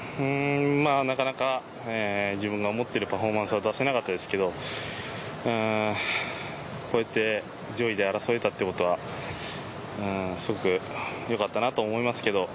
なかなか自分のもっているパフォーマンスが出せなかったですけど、こうやって上位で争えたということは、すごくよかったなと思いますけど。